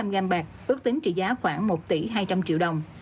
bốn tám mươi năm gam bạc ước tính trị giá khoảng một tỷ hai trăm linh triệu đồng